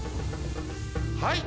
はい！